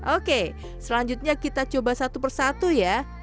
oke selanjutnya kita coba satu persatu ya